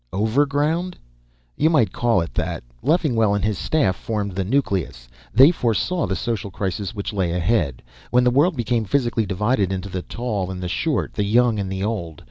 "Overground?" "You might call it that. Leffingwell and his staff formed the nucleus. They foresaw the social crisis which lay ahead, when the world became physically divided into the tall and the short, the young and the old.